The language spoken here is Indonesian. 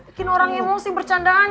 bikin orang emosi bercandaan